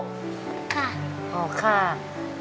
ค่ะ